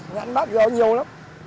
nhãn bác giờ nhiều lắm